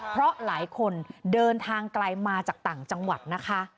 เพราะหลายคนเดินทางไกลมาจากต่างจังหวัดนะคะ